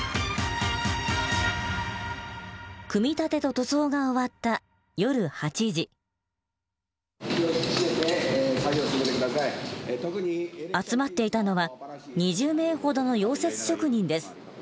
組み立てと塗装が終わった集まっていたのは２０名ほどの溶接職人です。